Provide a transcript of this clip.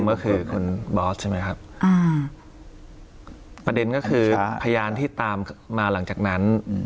ก็คือคุณบอสใช่ไหมครับประเด็นก็คือพยานที่ตามมาหลังจากนั้น